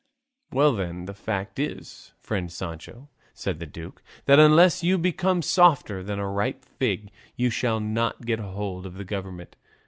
"Well then, the fact is, friend Sancho," said the duke, "that unless you become softer than a ripe fig, you shall not get hold of the government.